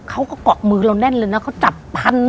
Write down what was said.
เขาก็เกาะมือเราแน่นเลยนะเขาจับพัน